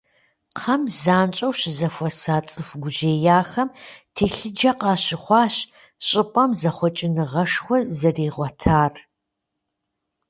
Кхъэм занщӏэу щызэхуэса цӏыху гужьеяхэм телъыджэ къащыхъуащ щӏыпӏэм зэхъуэкӏыныгъэшхуэ зэригъуэтар.